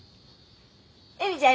恵美ちゃん